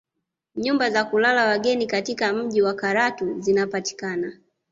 Nyumba za kulala wageni katika mji wa Karatu zinapatikana